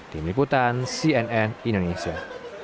tim liputan cnn indonesia